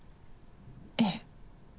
ええ。